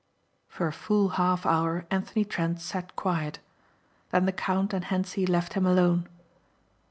For a full half hour Anthony Trent sat quiet. Then the count and Hentzi left him alone.